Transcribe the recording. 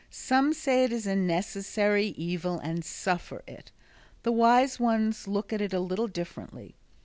Some say it is a necessary evil and suffer it. The wise ones look at it a little differently.